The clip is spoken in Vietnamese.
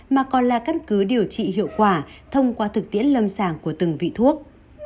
bán cứ điều trị hiệu quả thông qua thực tiễn lâm sàng của từng vị thuốc